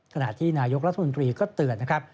ขณะที่นายกรัฐมนตรีก็เตือนนะครับ